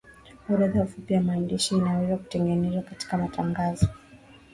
orodha fupi ya maandishi inaweza kutengenezwa katika matangazo